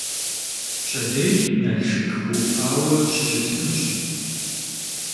Пщэдей Налшык уфауэ щыщытынущ.